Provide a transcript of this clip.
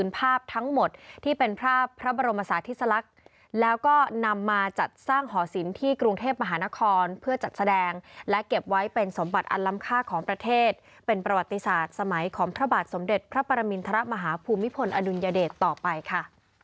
ประบาทสมเด็จพระปรมินทรมาฮาภูมิพลอนุญเดตต่อไปค่ะ